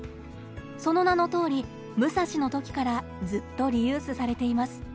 その名のとおり「武蔵ＭＵＳＡＳＨＩ」の時からずっとリユースされています。